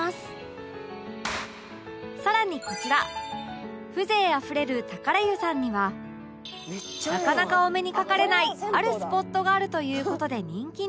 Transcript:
更にこちら風情あふれるタカラ湯さんにはなかなかお目にかかれないあるスポットがあるという事で人気に